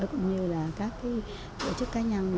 cũng như là các tổ chức cá nhân